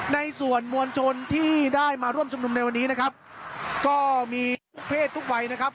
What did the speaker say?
ในส่วนมวลชนที่ได้มาร่วมชุมนุมในวันนี้นะครับก็มีทุกเพศทุกวัยนะครับ